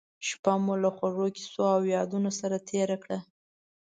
شپه مو له خوږو کیسو او یادونو سره تېره کړه.